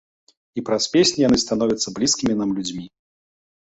І праз песні яны становяцца блізкімі нам людзьмі.